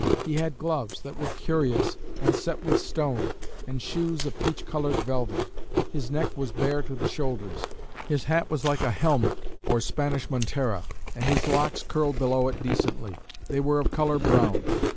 He had gloves, that were curious,'' and set with stone; and shoes of peach coloured velvet. His neck was bare to the shoulders. His hat was like a helmet, or Spanish montera; and his locks curled below it decently: they were of colour brown.